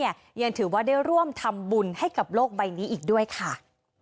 ยังถือว่าได้ร่วมทำบุญให้กับโลกใบนี้อีกด้วยค่ะ